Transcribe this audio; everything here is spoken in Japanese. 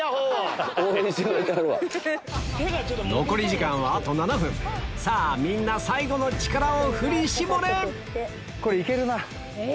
残り時間はあと７分さぁみんな最後の力を振り絞れ！